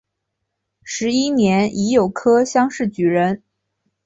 十一年乙酉科乡试举人。